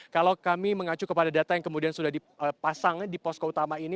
kalau kami mengacu kepada data yang kemudian sudah dipasang di posko utama ini